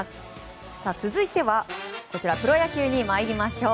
続いてはプロ野球に参りましょう。